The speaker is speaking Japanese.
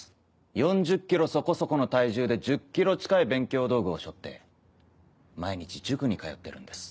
４０キロそこそこの体重で１０キロ近い勉強道具を背負って毎日塾に通ってるんです。